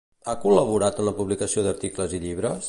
Ha col·laborat en la publicació d'articles i llibres?